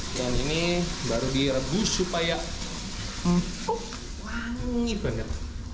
dan ini baru direbus supaya wangi banget